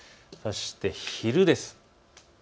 そして昼です。